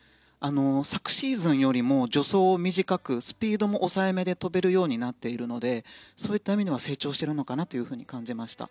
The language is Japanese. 昨シーズンよりも助走を短くスピードも抑えめで跳べるようになっているのでそういった意味では成長してるのかなと感じました。